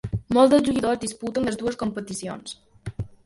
Molts dels jugadors disputen les dues competicions.